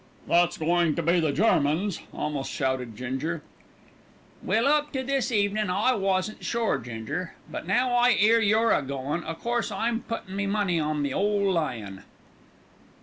"That's goin' to be the Germans," almost shouted Ginger. "Well, up to this evenin' I wasn't sure, Ginger, but now I 'ear you're a goin', o' course I'm puttin' me money on the ole lion."